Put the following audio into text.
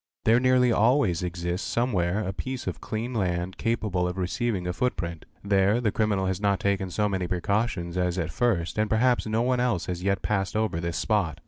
There nearly always exist somewhere a piece of clean land capable of receiving a footprint; ther the criminal has not taken so many precautions as at first and perha no one else has yet passed over this spot.